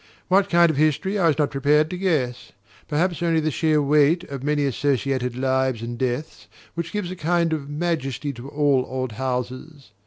What kind of history I was not prepared to guess: perhaps only the sheer weight of many associated lives and deaths which gives a kind of majesty to all old houses.